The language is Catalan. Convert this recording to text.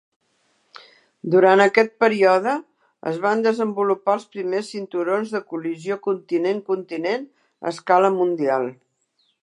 Durant aquest període, es van desenvolupar els primers cinturons de col·lisió continent-continent a escala mundial.